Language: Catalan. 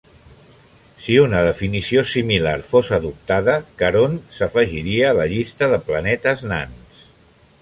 Si una definició similar fos adoptada, Caront s'afegiria a la llista de planetes nans.